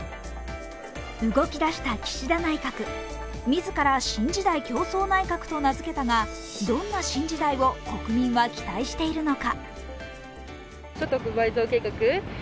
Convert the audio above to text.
動き出した岸田内閣、自ら新時代共創内閣と名づけたがどんな新時代を国民は期待しているのか？